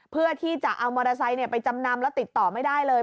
เพื่อที่จะเอามอเตอร์ไซค์ไปจำนำแล้วติดต่อไม่ได้เลย